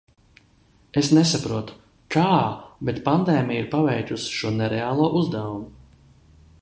Es nesaprotu, kā, bet pandēmija ir paveikusi šo nereālo uzdevumu.